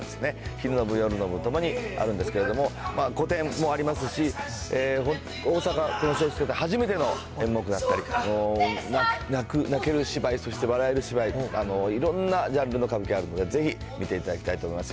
昼の部、夜の部ともにあるんですけども、古典もありますし、大阪松竹座、初めての演目だったり、泣ける芝居、そして笑える芝居、いろんなジャンルの歌舞伎があるので、ぜひ見ていただきたいと思います。